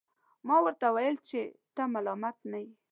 ما ورته وویل چي ته ملامت نه یې.